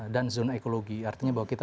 dan zona ekologi artinya bahwa kita